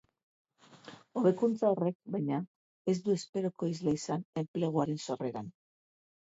Hobekuntza horrek, baina, ez du esperoko isla izan enpleguaren sorreran.